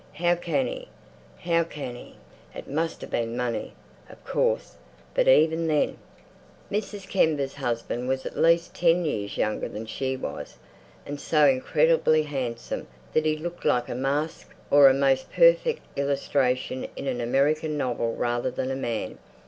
How can he, how can he? It must have been money, of course, but even then! Mrs. Kember's husband was at least ten years younger than she was, and so incredibly handsome that he looked like a mask or a most perfect illustration in an American novel rather than a man.